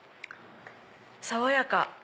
爽やか！